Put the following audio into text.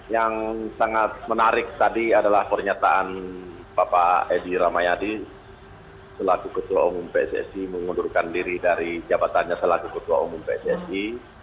yang sangat menarik tadi adalah pernyataan bapak edi ramayadi selaku ketua umum pssi mengundurkan diri dari jabatannya selaku ketua umum pssi